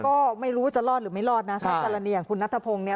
ก็ไม่รู้ว่าจะรอดหรือไม่รอดนะถ้ากรณีอย่างคุณนัทพงศ์เนี่ย